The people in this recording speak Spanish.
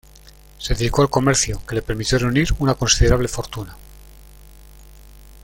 Se dedicó al comercio, que le permitió reunir una considerable fortuna.